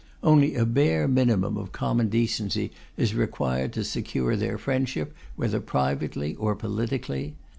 Only a bare minimum of common decency is required to secure their friendship, whether privately or politically.